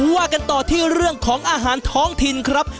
ว่ากันต่อที่เรื่องของอาหารท้องถิ่นครับ